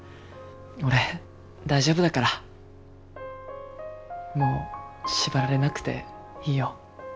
俺大丈夫だからもう縛られなくていいよ。